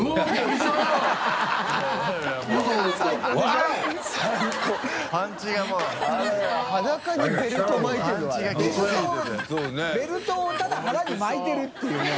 戰襯箸ただ腹に巻いてるっていうね。